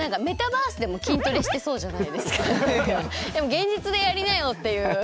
現実でやりなよっていう。